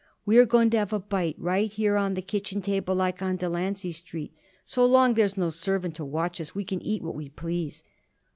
"We are going to have a bite right here on the kitchen table like on Delancey Street. So long there's no servant to watch us we can eat what we please."